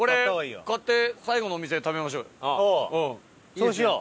そうしよう。